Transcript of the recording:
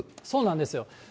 そうなんですよ。